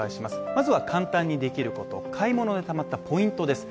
まずは簡単にできること、買い物でたまったポイントです。